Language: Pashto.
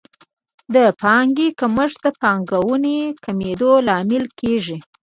د پانګې کمښت د پانګونې د کمېدو لامل کیږي.